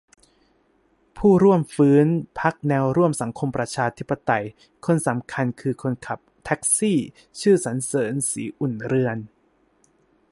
"ผู้ร่วมฟื้น พรรคแนวร่วมสังคมประชาธิปไตย คนสำคัญ คือ คนขับแท็กซีชื่อ สรรเสริญ ศรีอุ่นเรือน"